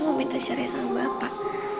ibu mau minta cerai sama bapak